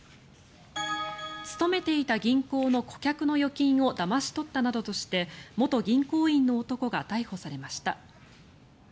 勤めていた銀行の顧客の預金をだまし取ったなどとして元銀行員の男が逮捕されました。